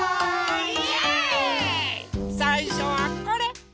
さいしょはこれ。